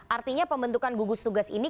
artinya pembentukan gugus tugas ini